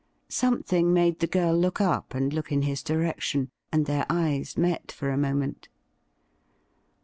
Something made the girl look up and look in his direc tion, and their eyes met for a moment.